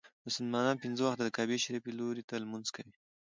مسلمانان پنځه وخته د کعبې شريفي لوري ته لمونځ کوي.